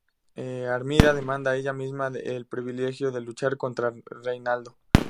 Armida demanda ella misma el privilegio de luchar contra Reinaldo.